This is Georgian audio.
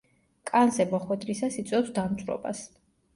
კანზე მოხვედრისას იწვევს დამწვრობას.